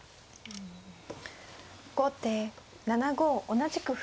後手７五同じく歩。